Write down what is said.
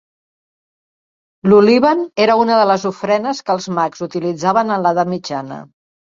L'olíban era una de les ofrenes que els mags utilitzaven en l'edat mitjana.